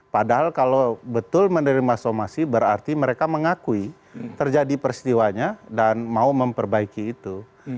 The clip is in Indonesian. padahal kalau betul menerima somasi berarti mereka mengakui terjadi peristiwanya dan mau memperbaiki itu